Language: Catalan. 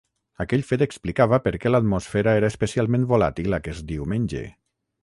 Aquell fet explicava per què l"atmosfera era especialment volàtil aquest diumenge.